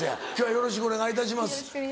よろしくお願いします。